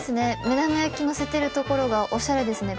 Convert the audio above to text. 目玉焼きのせてるところがおしゃれですね。